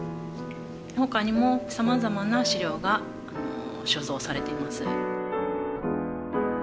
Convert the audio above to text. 他にも様々な資料が所蔵されています。